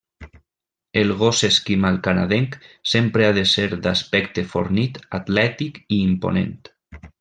El gos esquimal canadenc sempre ha de ser d'aspecte fornit, atlètic i imponent.